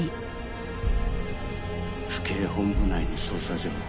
府警本部内の捜査情報